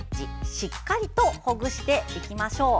しっかりほぐしていきましょう。